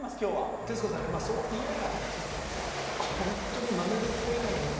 徹子さんねそう言いながらホントに驚く事はない？